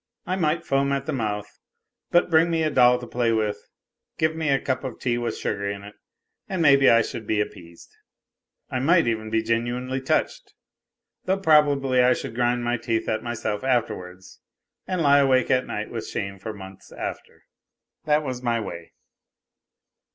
I might foam at the mouth, but bring me a doll to play with, give me a cup of tea with sugar in it, and maybe I should be appeased. I might even be genuinely touched, though probably I should grind my teeth at myself afterwards and lie awake at night with shame for months after. That was my way.